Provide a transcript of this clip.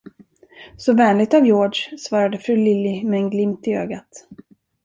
Så vänligt av Georg, svarade fru Lily med en glimt i ögat.